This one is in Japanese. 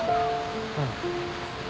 うん。